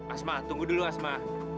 asma tunggu dulu asma